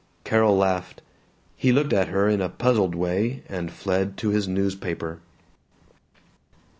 Carol laughed. He looked at her in a puzzled way and fled to his newspaper.